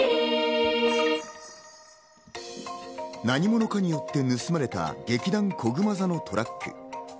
何者かによって盗まれた劇団こぐま座のトラック。